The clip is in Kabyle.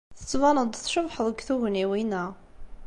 Tettbaneḍ-d tcebḥeḍ deg tugniwin-a.